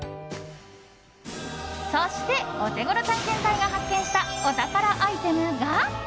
そしてオテゴロ探検隊が発見したお宝アイテムが。